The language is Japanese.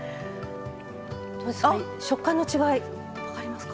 食感の違い、分かりますか？